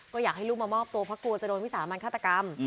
ก็อยากให้ลูกมามอบตัวเพราะกลัวจะโดนวิสามันฆาตกรรม